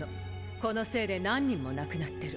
このせいで何人も亡くなってる。